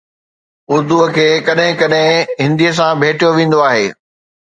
اردو کي ڪڏهن ڪڏهن هندي سان ڀيٽيو ويندو آهي